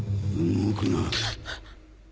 ・動くな！